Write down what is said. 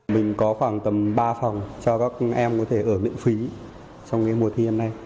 mình có khoảng tầm ba phòng cho các em có thể ở miễn phí trong mùa thi năm nay